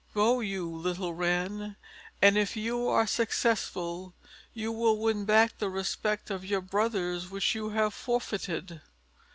Go you, little Wren, and if you are successful you will win back the respect of your brothers which you have forfeited."